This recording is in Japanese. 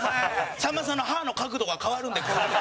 さんまさんの歯の角度が変わるんで。